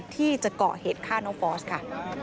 ที่จะเกาะเหตุฆ่าน้องฟอสค่ะ